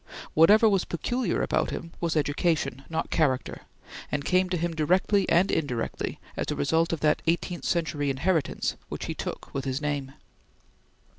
Whatever was peculiar about him was education, not character, and came to him, directly and indirectly, as the result of that eighteenth century inheritance which he took with his name.